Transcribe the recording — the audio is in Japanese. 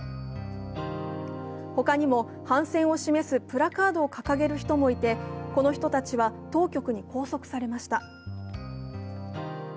他にも、反戦を示すプラカードを掲げる人もいてこの人たちは当局に拘束されました。